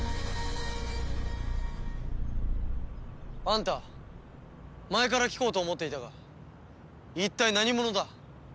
あんた前から聞こうと思っていたが一体何者だ？